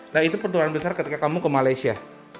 nah itu perjuangan besar ketika kamu ke malaysia